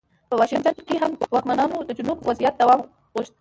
په واشنګټن کې هم واکمنانو د جنوب وضعیت دوام غوښت.